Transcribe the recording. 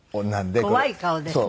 怖い顔ですね。